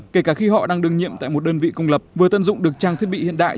kể cả khi họ đang đương nhiệm tại một đơn vị công lập vừa tận dụng được trang thiết bị hiện đại